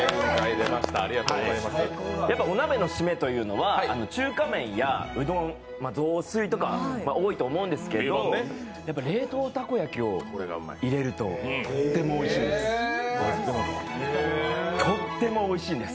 お鍋の締めというのは中華麺やうどん、雑炊とか、多いと思うんですけど冷凍たこ焼きを入れるととってもおいしいんです。